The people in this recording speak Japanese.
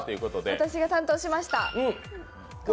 私が担当しました。